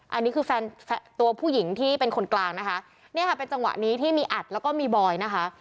อันนี้คือแฟนตัวผู้หญิงที่เป็นคนกลางนะคะเนี่ยค่ะเป็นจังหวะนี้ที่มีอัดแล้วก็มีบอยนะคะ